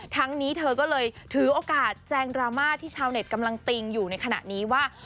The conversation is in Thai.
ทั้งนี้เธอก็เลยถือโอกาสแจงดราม่าที่ชาวเน็ตกำลังติงอยู่ในขณะนี้ว่า